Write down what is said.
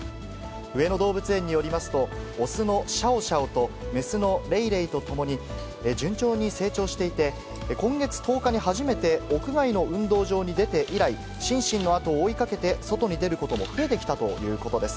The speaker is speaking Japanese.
上野動物園によりますと、雄のシャオシャオと、雌のレイレイとともに順調に成長していて、今月１０日に初めて、屋外の運動場に出て以来、シンシンの後を追いかけて外に出ることも増えてきたということです。